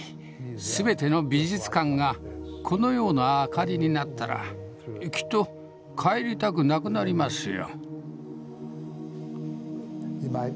全ての美術館がこのような明かりになったらきっと帰りたくなくなりますよ。